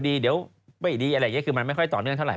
จะดีไม่ดีมันไม่ค่อยต่อเนื่องเท่าไหร่